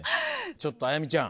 ちょっとあやみちゃん。